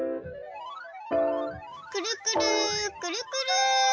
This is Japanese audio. くるくるくるくる。